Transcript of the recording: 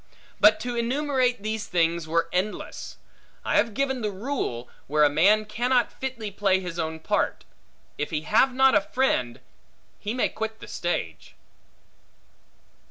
But to enumerate these things were endless; I have given the rule, where a man cannot fitly play his own part; if he have not a friend, he may quit the stage.